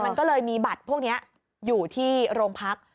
มันก็เลยมีบัตรพวกนี้อยู่ที่โรงพัก